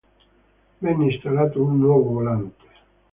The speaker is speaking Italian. Venne installato un nuovo volante.